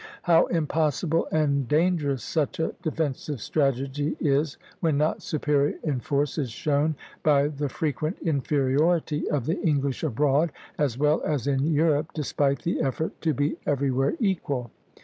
How impossible and dangerous such a defensive strategy is, when not superior in force, is shown by the frequent inferiority of the English abroad, as well as in Europe, despite the effort to be everywhere equal.